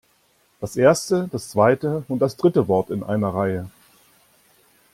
Das erste, das zweite und das dritte Wort in einer Reihe.